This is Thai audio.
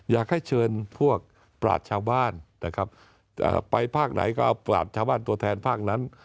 อยากให้เชิญพวกปราศชาวบ้านนะครับไปภาคไหนก็เอาปราบชาวบ้านตัวแทนภาคนั้น